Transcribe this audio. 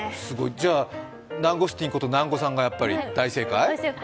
じゃあナンゴスティンこと南後さんが大正解？